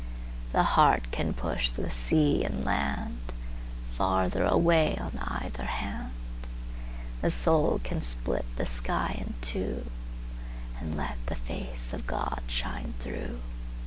The heart can push the sea and landFarther away on either hand; The soul can split the sky in two, And let the face of God shine through.